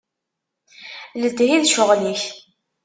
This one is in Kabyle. Letthi d ccɣel-ik.